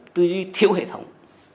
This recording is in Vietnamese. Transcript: tư duy thiếu hệ thống